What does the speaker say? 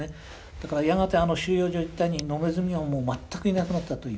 だからやがて収容所一帯に野ネズミは全くいなくなったといいます。